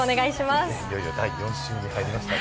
いよいよ第４週に入りましたね。